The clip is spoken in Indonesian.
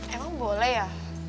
emang boleh ya